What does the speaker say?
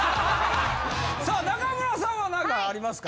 さあ中村さんは何かありますか？